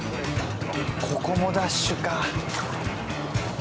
ここもダッシュか。